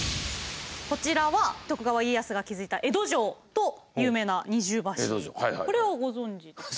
こちらは徳川家康が築いた江戸城と有名な二重橋これはご存じですよね。